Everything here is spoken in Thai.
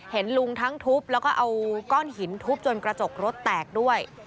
เห็นลุงทั้งทุบแล้วก็เอาก้อนหินทุบจนกระจกรถแตกด้วย